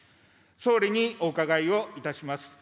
総理にお伺いをいたします。